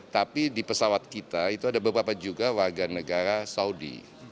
tapi di pesawat kita itu ada beberapa juga warga negara saudi